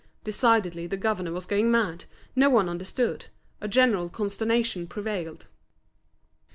Decidedly the governor was going mad, no one understood, a general consternation prevailed.